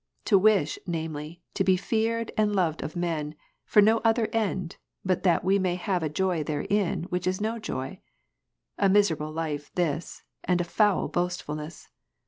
To wish, namely, to be feared and loved of men, for no other end, but that we may have a joy therein which is no joy? A miserable life this, and a foul boastfulness